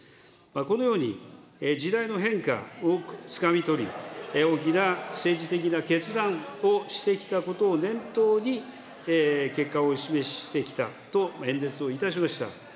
このように、時代の変化をつかみ取り、大きな政治的な決断をしてきたことを念頭に、結果をお示ししてきたと演説をいたしました。